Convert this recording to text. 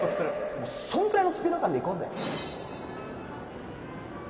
もうそんくらいのスピード感でいこうぜ